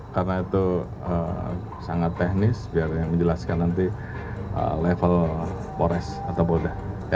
karena itu sangat teknis biar menjelaskan nanti level polres atau polda